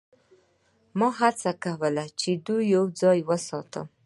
ما هڅه کوله چې دوی یوځای وساتم